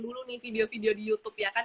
dulu nih video video di youtube ya kan